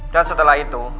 dan setelah itu